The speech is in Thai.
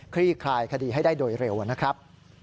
ลี่คลายคดีให้ได้โดยเร็วนะครับ